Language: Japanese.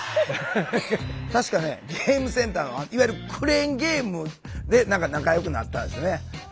たしかねゲームセンターのいわゆるクレーンゲームで何か仲よくなったんですよね。